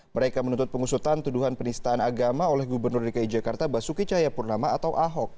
mereka menuntut pengusutan tuduhan penistaan agama oleh gubernur dki jakarta basuki cahayapurnama atau ahok